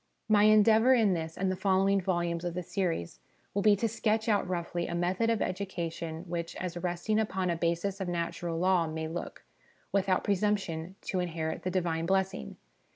My endeavour in this and the following volumes of the series will be to sketch out roughly a method of education which, as resting upon a basis of natural law, may look, without presumption, to inherit the Divine blessing.